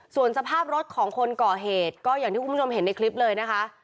ส่วนสภาพรถของคนก่อเหตุก็อย่างที่คุณผู้ชมเห็นในคลิปเลยนะคะ